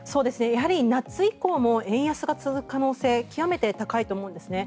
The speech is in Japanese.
やはり夏以降も円安が続く可能性極めて高いと思うんですね。